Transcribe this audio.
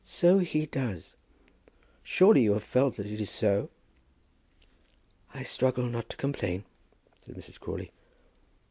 "So He does. Surely you have felt that it is so?" "I struggle not to complain," said Mrs. Crawley.